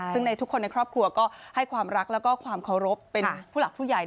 ซึ่งในทุกคนในครอบครัวก็ให้ความรักแล้วก็ความเคารพเป็นผู้หลักผู้ใหญ่